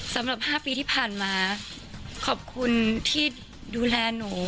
สำหรับ๕ปีที่ผ่านมาขอบคุณที่ดูแลหนู